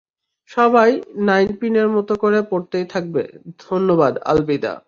সবাই নাইনপিনের মত করে পড়তেই থাকবে ধন্যবাদ, আলবিদা।